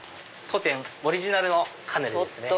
当店オリジナルのカヌレですね。